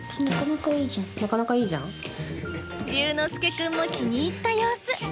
琉之介君も気に入った様子。